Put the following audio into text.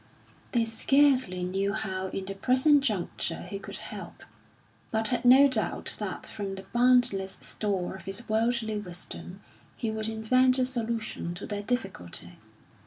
They scarcely knew how in the present juncture he could help, but had no doubt that from the boundless store of his worldly wisdom he would invent a solution to their difficulty.